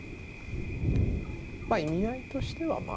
まあ意味合いとしてはまあ一緒。